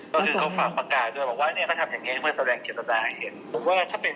ก็คือเขาฝากประกาศด้วยบอกว่าเนี่ยเขาทำอย่างนี้เพื่อแสดงเกษตรศาสตราเห็น